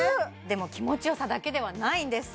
でも気持ちよさだけではないんです